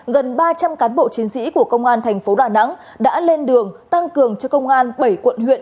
gần ba trăm linh cán bộ chiến sĩ của công an thành phố đà nẵng đã lên đường tăng cường cho công an bảy quận huyện